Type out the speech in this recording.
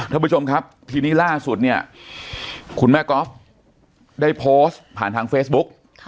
ท่านผู้ชมครับทีนี้ล่าสุดเนี่ยคุณแม่ก๊อฟได้โพสต์ผ่านทางเฟซบุ๊ก